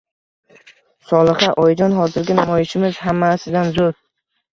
Solixa: oyijon hozirgi namoyishimiz hammasidan zur.